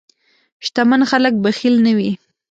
شتمن خلک بخیل نه وي.